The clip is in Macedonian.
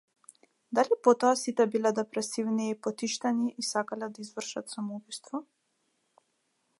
Дали потоа сите биле депресивни и потиштени и сакале да извршат самоубиство?